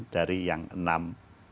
dari yang enam